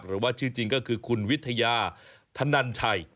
หรือว่าชื่อจริงก็คือคุณวิทยาธนันชัย